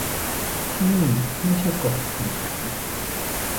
ที่นี่ไม่ใช่กฎของฉัน